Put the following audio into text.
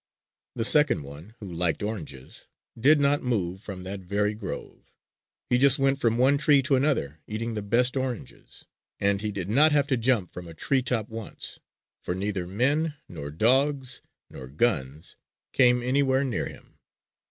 The second one, who liked oranges, did not move from that very grove. He just went from one tree to another eating the best oranges; and he did not have to jump from a tree top once; for neither men, nor dogs, nor guns, came anywhere near him.